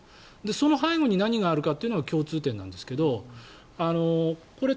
その背後に何があるかというのが共通点なんですけどこれ、